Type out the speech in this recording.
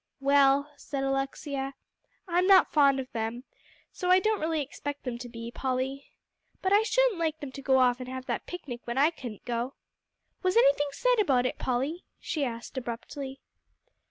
"Well," said Alexia, "I'm not fond of them, so I don't really expect them to be, Polly. But I shouldn't like 'em to go off and have that picnic when I couldn't go. Was anything said about it, Polly?" she asked abruptly.